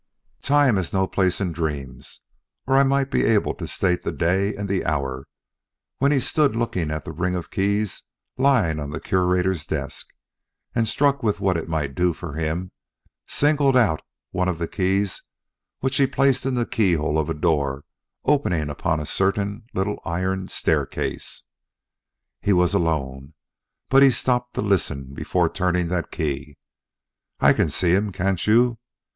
Time has no place in dreams, or I might be able to state the day and the hour when he stood looking at the ring of keys lying on the Curator's desk, and struck with what it might do for him, singled out one of the keys which he placed in the keyhole of a door opening upon a certain little iron staircase. He was alone, but he stopped to listen before turning that key. I can see him, can't you?